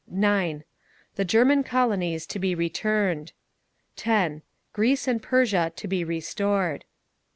(9) The German colonies to be returned. (10) Greece and Persia to be restored.